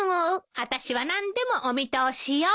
あたしは何でもお見通しよ。